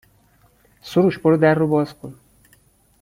سروش برو در رو باز کن